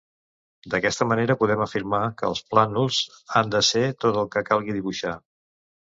D'aquesta manera podem afirmar que els plànols han de ser tot el que calgui dibuixar.